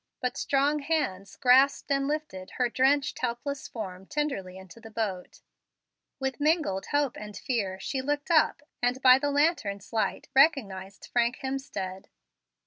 But strong hands grasped and lifted her drenched, helpless form tenderly into the boat. With mingled hope and fear she looked up, and by the lantern's light recognized Frank Hemstead.